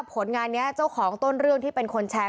ผลงานนี้เจ้าของต้นเรื่องที่เป็นคนแชร์